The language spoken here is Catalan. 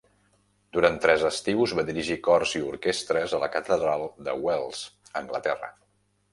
Durant tres estius va dirigir cors i orquestres a la catedral de Wells (Anglaterra).